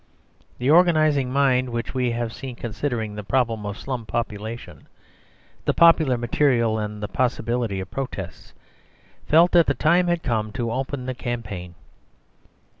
The organising mind which we have seen considering the problem of slum population, the popular material and the possibility of protests, felt that the time had come to open the campaign.